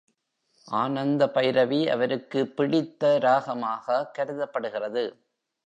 ஆனந்தபைரவி அவருக்கு பிடித்த ராகமாக கருதப்படுகிறது.